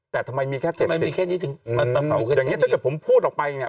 แต่ทำไมมีแค่เจ็ดสิบอย่างเงี้ยถ้าเกิดผมพูดออกไปเนี่ย